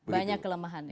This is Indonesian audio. banyak kelemahan ya